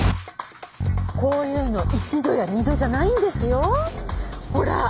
こういうの一度や二度じゃないんですよ。ほら！